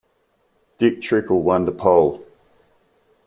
Dick Trickle won the pole.